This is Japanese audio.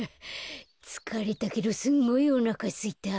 つかれたけどすんごいおなかすいた。